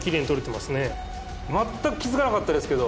まったく気づかなかったですけど。